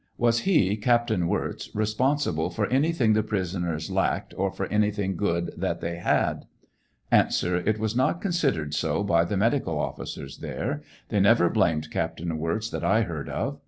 Was he (Captain Wirz) responsible for anything the prisoners lacliied, or for anything good that they had? ,, 3 r, .■ A. It was not considered so by the medical officers there. They never blamed Captain Wirz that I heard of.